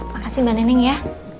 makasih mbak neneng ya